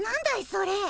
それ。